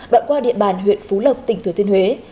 đoạn qua địa bàn huyện phú lộc tỉnh thừa thiên huế